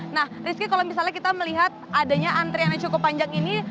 nah rizky kalau misalnya kita melihat adanya antrian yang cukup panjang ini